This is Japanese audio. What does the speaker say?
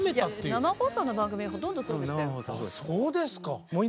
生放送の番組はほとんどそうでしたよ。